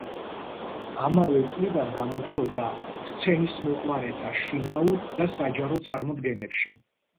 ამავე წლიდან გამოდიოდა სცენისმოყვარეთა შინაურ და საჯარო წარმოდგენებში.